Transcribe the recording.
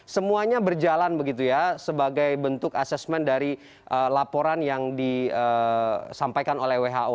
semuanya berjalan begitu ya sebagai bentuk asesmen dari laporan yang disampaikan oleh who